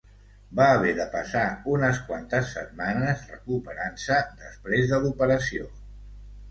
Va haver de passar unes quantes setmanes recuperant-se després de l'operació.